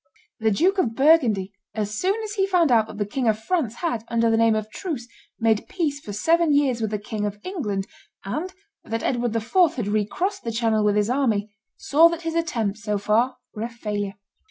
The Duke of Burgundy, as soon as he found out that the King of France had, under the name of truce, made peace for seven years with the King of England, and that Edward IV. had recrossed the Channel with his army, saw that his attempts, so far, were a failure.